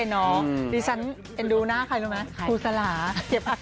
ง่าย